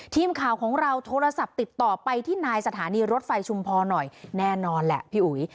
ทีมข่าวของเราโทรศัพท์ติดต่อไปที่นายสถานีรถไฟชุมพรหน่อยแน่นอนแหละพี่อุ๋ย